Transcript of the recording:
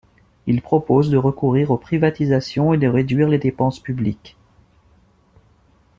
Il propose de recourir aux privatisations et de réduire les dépenses publiques.